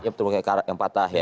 iya terumbu karang yang patah ya